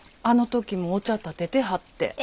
あの時もお茶たててはって。